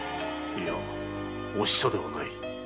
いやお久ではない。